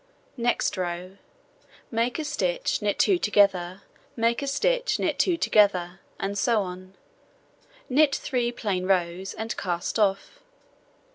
Next row: Make a stitch, knit 2 together, make a stitch, knit 2 together, and so on, knit 3 plain rows, and cast off.